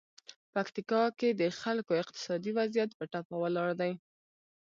پکتیکا کې د خلکو اقتصادي وضعیت په ټپه ولاړ دی.